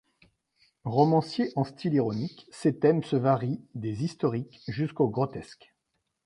Romancier en style ironique, ses thèmes se varient des historiques jusqu'au grotesque.